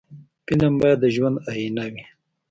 فلم باید د ژوند آیینه وي